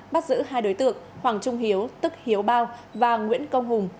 bắt giữ hai đối tượng hoàng trung hiếu tức hiếu bao và nguyễn công hùng